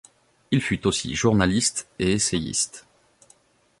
Il fut aussi journaliste et essayiste.